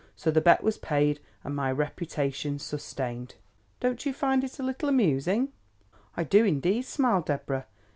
So the bet was paid and my reputation sustained. Don't you find it a little amusing?" "I do, indeed," smiled Deborah.